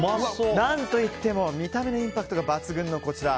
何といっても見た目のインパクトが抜群のこちら。